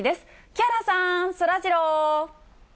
木原さん、そらジロー。